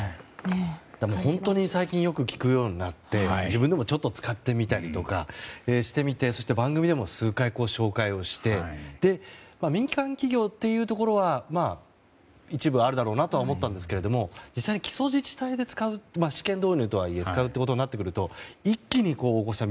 本当に最近、よく聞くようになって自分でもちょっと使ってみたりとかしてみてそして番組でも数回紹介をして民間企業というところは一部あるだろうなとは思ったんですけど実際に基礎自治体で試験導入とはいえ使うとなってくると大越さん